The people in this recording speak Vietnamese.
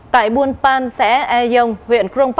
tại buôn pan xeo